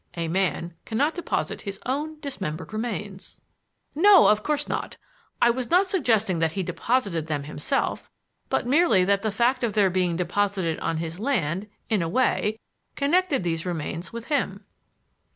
A man cannot deposit his own dismembered remains." "No, of course not. I was not suggesting that he deposited them himself, but merely that the fact of their being deposited on his land, in a way, connected these remains with him."